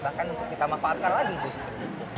bahkan untuk kita manfaatkan lagi justru